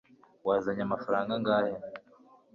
wazanye amafaranga angahe